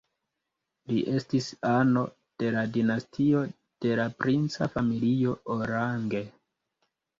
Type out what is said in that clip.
Li estis ano de la dinastio de la princa familio Orange.